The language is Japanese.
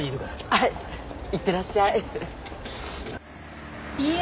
はいいってらっしゃいいいえ